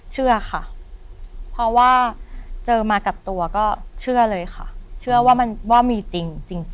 เชื่อค่ะเพราะว่าเจอมากับตัวก็เชื่อเลยค่ะเชื่อว่ามันว่ามีจริง